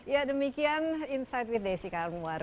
ya demikian insight with desi karwar